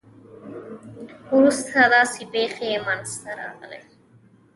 وروسته داسې پېښې منځته راغلې.